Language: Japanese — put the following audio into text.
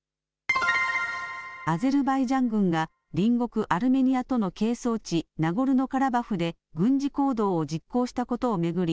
アゼルバイジャン軍が隣国アルメニアとの係争地、ナゴルノカラバフで軍事行動を実行したことを巡り